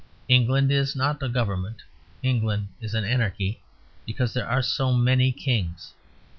England is not a government; England is an anarchy, because there are so many kings.